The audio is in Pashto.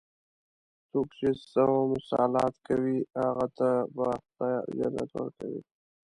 څوک چې صوم صلات کوي، هغوی ته به خدا جنت ورکوي.